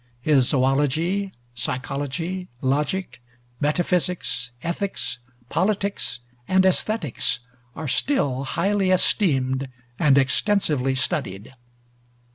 His Zoölogy, Psychology, Logic, Metaphysics, Ethics, Politics, and Aesthetics, are still highly esteemed and extensively studied.